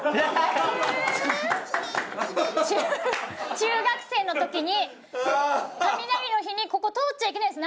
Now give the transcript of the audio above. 中学生の時に雷の日にここ通っちゃいけないんです